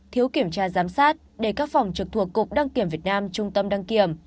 thiếu kiểm tra giám sát để các phòng trực thuộc cục đăng kiểm việt nam trung tâm đăng kiểm